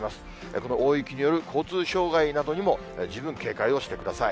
この大雪による交通障害などにも十分警戒をしてください。